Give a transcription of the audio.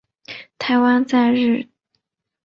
台湾在日治时代即引进试种栽培。